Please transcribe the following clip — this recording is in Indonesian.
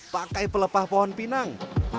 pakai pelepah pohon pinang